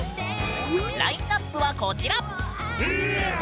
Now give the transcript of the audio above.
ラインナップはこちら！